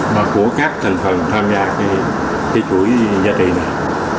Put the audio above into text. mà của các thành phần tham gia cái chuỗi giá trị này